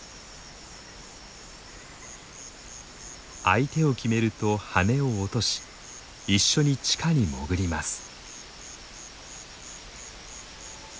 相手を決めると羽を落とし一緒に地下に潜ります。